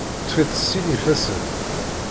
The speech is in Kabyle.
Ṭṭef-itt s sin ifassen.